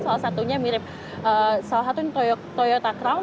salah satunya mirip salah satu toyota crown